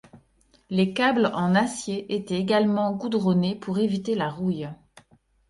Les câbles en acier étaient également goudronnés pour éviter la rouille.